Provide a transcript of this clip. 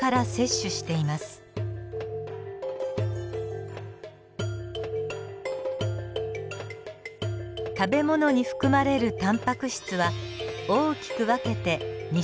食べ物に含まれるタンパク質は大きく分けて２種類あります。